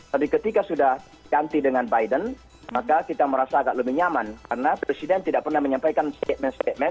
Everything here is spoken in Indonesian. tapi ketika sudah ganti dengan biden maka kita merasa agak lebih nyaman karena presiden tidak pernah menyampaikan statement statement